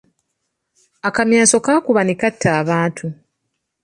Akamyaso kakuba ne katta abantu.